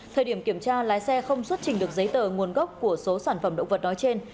thời điểm kiểm tra lái xe không xuất trình được giấy tờ nguồn gốc của số sản phẩm động vật nói trên